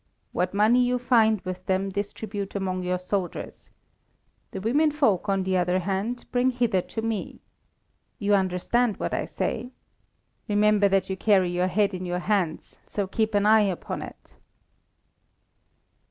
What money you find with them distribute among your soldiers. The women folk, on the other hand, bring hither to me. You understand what I say? Remember that you carry your head in your hands, so keep an eye upon it."